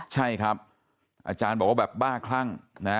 ใช่ครับอาจารย์บอกว่าแบบบ้าคลั่งนะ